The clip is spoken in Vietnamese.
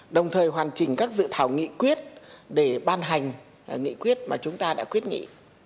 đồng thời hoàn chỉnh các dự thảo nghị quyết để ban hành nghị quyết mà chúng ta đã quyết nghị